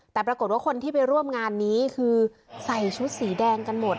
แต่ปรากฏว่าคนที่ไปร่วมงานนี้คือใส่ชุดสีแดงกันหมด